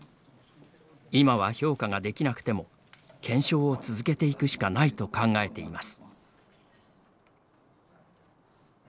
今は、評価ができなくても検証を続けていくしかないと考えています。